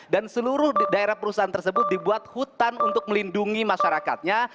dan seluruh daerah perusahaan tersebut dibuat hutan untuk melindungi masyarakatnya